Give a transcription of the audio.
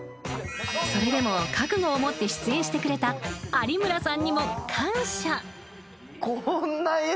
それでも覚悟を持って出演してくれた有村さんにも感謝。